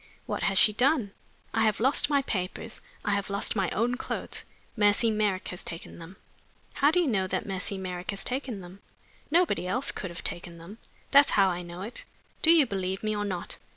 "What has she done?" "I have lost my papers; I have lost my own clothes; Mercy Merrick has taken them." "How do you know that Mercy Merrick has taken them?" "Nobody else could have taken them that's how I know it. Do you believe me or not?"